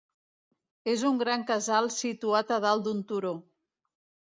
És un gran casal situat a dalt d'un turó.